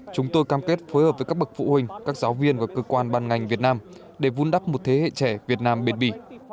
chúng tôi cam kết phối hợp với các bậc phụ huynh các giáo viên và cơ quan ban ngành việt nam để vun đắp một thế hệ trẻ việt nam bền bỉ